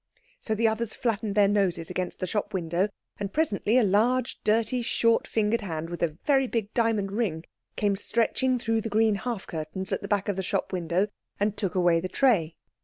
So the others flattened their noses against the shop window, and presently a large, dirty, short fingered hand with a very big diamond ring came stretching through the green half curtains at the back of the shop window and took away the tray.